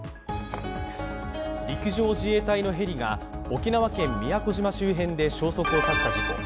陸上自衛隊のヘリが沖縄県宮古島周辺で消息を絶った事故。